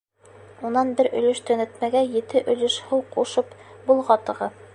Унан бер өлөш төнәтмәгә ете өлөш һыу ҡушып болғатығыҙ.